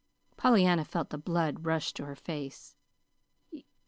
Pollyanna felt the blood rush to her face.